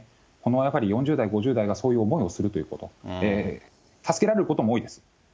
やはりこの４０代、５０代がそういう思いをするということ、助けられることも多いです。